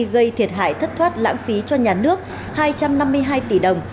gây thiệt hại thất thoát lãng phí cho nhà nước hai trăm năm mươi hai tỷ đồng